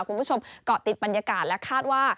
คุณผู้ชมเกาะติดบรรยากาศและคาดว่า